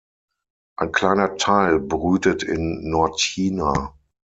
Ein kleiner Teil brütet in Nordchina.